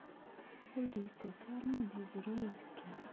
Ur d-yettas ara ad yezrew azekka.